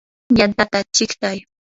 yantata chiqtay.